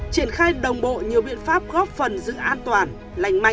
triển khai đồng bộ nhiều biện pháp góp phần giữ an toàn